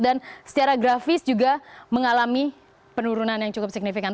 dan secara grafis juga mengalami penurunan yang cukup signifikan